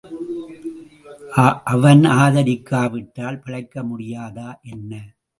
அவன் ஆதரிக்காவிட்டால் பிழைக்க முடியாதா என்ன?